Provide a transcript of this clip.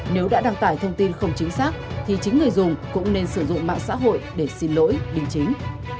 nếu đã đăng tải thông tin không chính xác thì chính người dùng cũng nên sử dụng mạng xã hội để xin lỗi đính chính